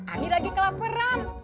ani lagi kelaparan